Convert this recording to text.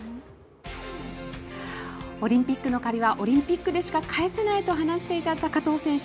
オリンピックの借りはオリンピックでしか返せないと話していた高藤選手。